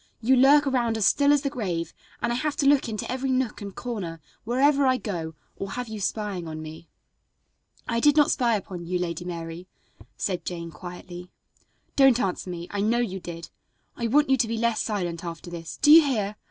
"You lurk around as still as the grave, and I have to look into every nook and corner, wherever I go, or have you spying on me." "I did not spy upon you, Lady Mary," said Jane quietly. "Don't answer me; I know you did. I want you to be less silent after this. Do you hear?